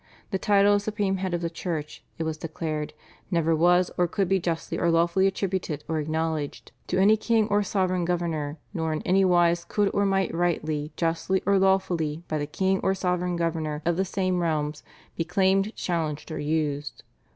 The title of supreme head of the church, it was declared, "never was or could be justly or lawfully attributed or acknowledged to any king or sovereign governor, nor in any wise could or might rightfully, justly, or lawfully, by the king or sovereign governor of the same realms, be claimed, challenged, or used."